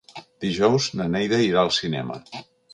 Dijous na Neida irà al cinema.